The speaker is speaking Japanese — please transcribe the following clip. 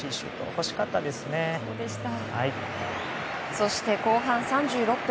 そして後半３６分。